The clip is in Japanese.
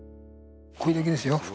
これだけですよ